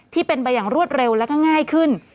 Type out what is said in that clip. ที่เป็นไปอย่างรวดเร็วแล้วก็ง่ายขึ้น